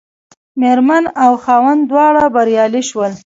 مېرمن او خاوند دواړه بریالي شول.